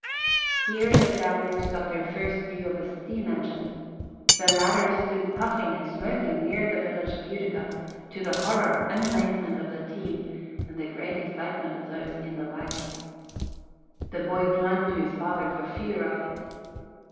Here the travelers got their first view of a steam engine. The latter stood puffing and smoking near the village of Utica, to the horror and amazement of the team and the great excitement of those in the wagon. The boy clung to his father for fear of it.